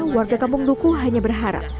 warga kampung duku hanya berharap